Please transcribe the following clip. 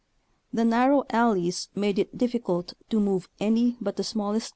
The nar row alleys made it difficult to move any but the 73 Photo 4.